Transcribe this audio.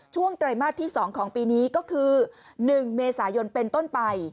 ไตรมาสที่๒ของปีนี้ก็คือ๑เมษายนเป็นต้นไป